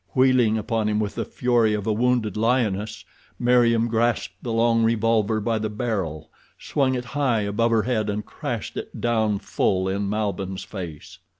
Wheeling upon him with the fury of a wounded lioness Meriem grasped the long revolver by the barrel, swung it high above her head and crashed it down full in Malbihn's face.